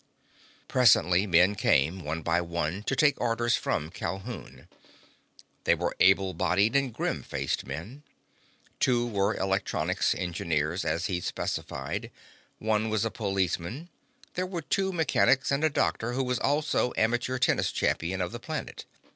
Presently men came, one by one, to take orders from Calhoun. They were able bodied and grim faced men. Two were electronics engineers, as he'd specified. One was a policeman. There were two mechanics and a doctor who was also amateur tennis champion of the planet.